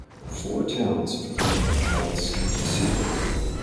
Four towns have claimed the Cowlitz County seat.